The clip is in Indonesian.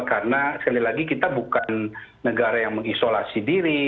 karena sekali lagi kita bukan negara yang mengisolasi diri